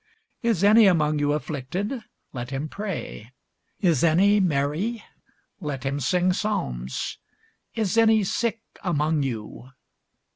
Is any among you afflicted? let him pray. Is any merry? let him sing psalms. Is any sick among you?